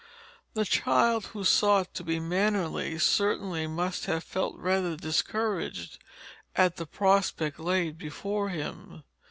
The child who sought to be mannerly certainly must have felt rather discouraged at the prospect laid before him.